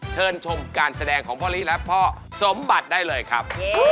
เชิญชมการแสดงของพ่อลิและพ่อสมบัติได้เลยครับ